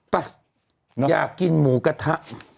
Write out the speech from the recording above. ไปอยากกินหมูกระทะ